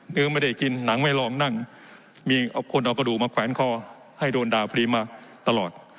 ยังไม่ได้กินหนังไม่ลองนั่งมีคนเอากระดูกมาแขวนคอให้โดนด่าฟรีมาตลอด